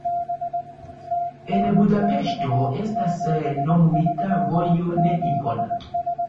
En Budapeŝto estas nomumita vojo, ne impona.